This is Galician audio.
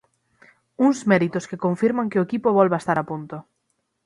Uns méritos que confirman que o equipo volve estar a punto.